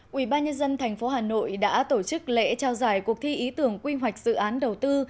quỹ ba nhân dân tp hà nội đã tổ chức lễ trao giải cuộc thi ý tưởng quy hoạch dự án đầu tư